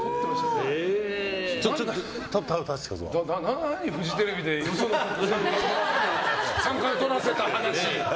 何、フジテレビで三冠とらせた話！